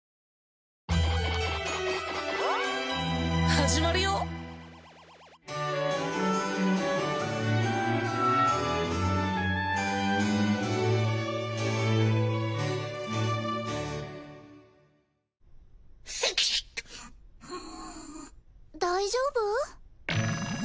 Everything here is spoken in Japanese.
始まるよ大丈夫？